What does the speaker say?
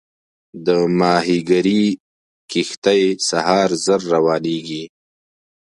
د ماهیګیري کښتۍ سهار زر روانېږي.